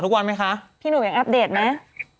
ของทุกวันไหมคะพี่หนุ่มยังอัพเดทมั้ย